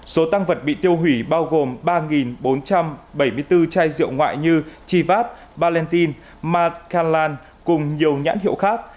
số tăng vật bị tiêu hủy bao gồm ba bốn trăm bảy mươi bốn chai rượu ngoại như chivap valentin marcanlan cùng nhiều nhãn hiệu khác